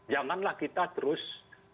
janganlah kita terus